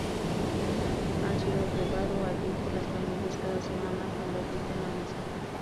Han sido llevado allí por las familias cada semana, cuando asisten a misa.